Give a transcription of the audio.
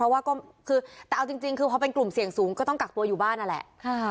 แต่เอาจริงคือพอเป็นกลุ่มเสี่ยงสูงก็ต้องกักปัวอยู่บ้านนั่นแหละ